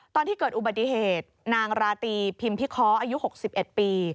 ตอนที่เกิดอุบัติเหตุนางราตรีพิมพิเคาะอายุ๖๑ปี